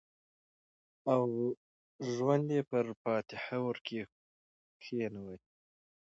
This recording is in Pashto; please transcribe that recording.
او ژوند یې پر فاتحه ورکښېنوی